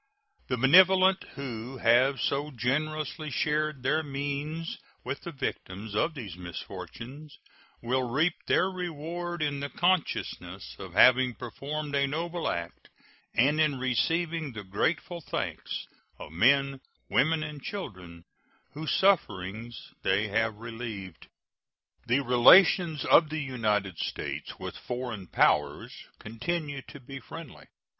The benevolent, who have so generously shared their means with the victims of these misfortunes, will reap their reward in the consciousness of having performed a noble act and in receiving the grateful thanks of men, women, and children whose sufferings they have relieved. The relations of the United States with foreign powers continue to be friendly.